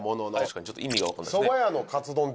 確かにちょっと意味がわかんないですね